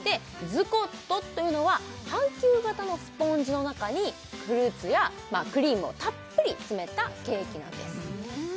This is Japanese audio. ズコットというのは半球型のスポンジの中にフルーツやクリームをたっぷり詰めたケーキなんです